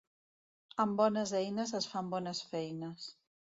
Amb bones eines es fan bones feines.